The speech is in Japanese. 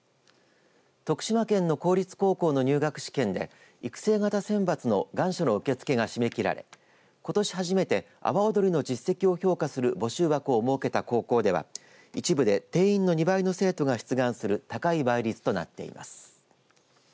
徳島県の公立高校の入学試験で育成型選抜の願書の受け付けが締め切られことし初めて阿波踊りの実績を評価する募集枠を設けた高校では一部で定員の２倍の生徒が出願する高い倍率となっています。